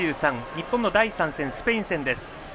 日本の第３戦、スペイン戦です。